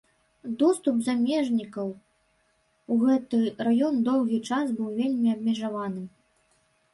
Доступ замежнікаў у гэты раён доўгі час быў вельмі абмежаваным.